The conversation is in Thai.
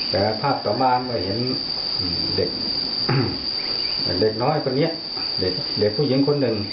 แต่ภาพต่อมาก็เห็นเด็กน้อยคนนี้เด็กผู้หญิงคนหนึ่ง